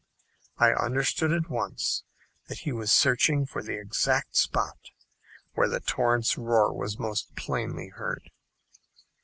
I understood at once that he was searching for the exact spot where the torrent's roar was most plainly heard.